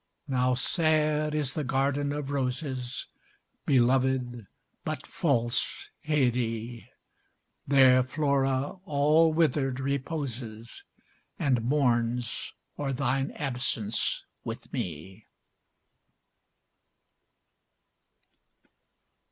Now sad is the garden of roses, Belovèd but false Haidée! There Flora all withered reposes, And mourns o'er thine absence with me.